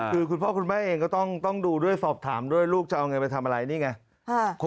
คือคุณพ่อคุณแม่เองก็ต้องดูด้วยสอบถามด้วยลูกจะเอาเงินไปทำอะไรนี่ไง